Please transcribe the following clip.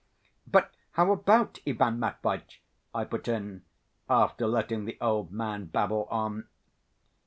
"But how about Ivan Matveitch?" I put in, after letting the old man babble on.